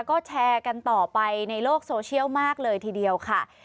ก็แชร์กันต่อไปในโลกโซเชียลมากเลยทีเดียวค่ะ